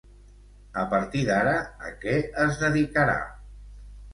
A partir d'ara, a què es dedicarà?